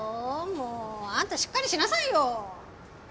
もうあんたしっかりしなさいよ